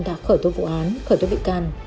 đã khởi thuốc vụ án khởi thuốc bị can